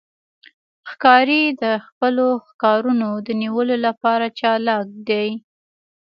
ښکاري د خپلو ښکارونو د نیولو لپاره چالاک دی.